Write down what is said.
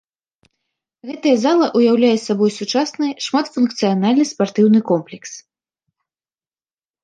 Гэтая зала ўяўляе сабой сучасны шматфункцыянальны спартыўны комплекс.